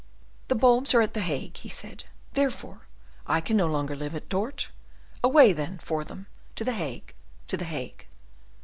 "The bulbs are at the Hague," he said, "therefore, I can no longer live at Dort: away, then, for them, to the Hague! to the Hague!"